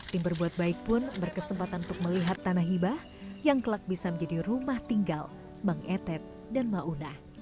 tim berbuat baik pun berkesempatan untuk melihat tanah hibah yang kelak bisa menjadi rumah tinggal bang etet dan mauna